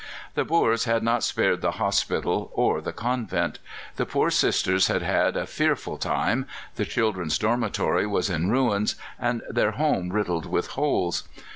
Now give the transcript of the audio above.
The Boers had not spared the hospital or the convent. The poor Sisters had had a fearful time; the children's dormitory was in ruins, and their home riddled with holes.